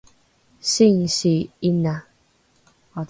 singsi ’ina